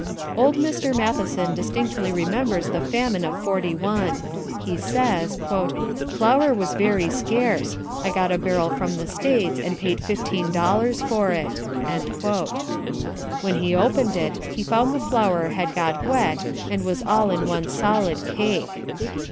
Old Mr. Matheson distinctly remembers the famine of '41. He says: "Flour was very scarce. I got a barrel from the States and paid $15 for it." When he opened it he found the flour had got wet and was all in one solid cake.